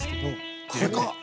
でかっ！